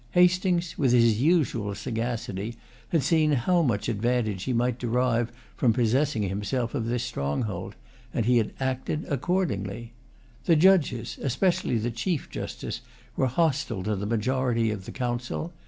Hastings, with his usual sagacity, had seen[Pg 153] how much advantage he might derive from possessing himself of this stronghold; and he had acted accordingly. The Judges, especially the Chief Justice, were hostile to the majority of the Council.